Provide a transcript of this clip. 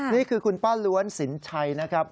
นี่คือคุณป้าล้วนสินชัยนะครับ